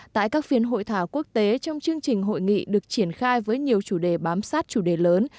tại các phiên hội thảo quốc tế trong chương trình hội nghị được triển khai với nhiều chủ đề bám sát chủ đề lớn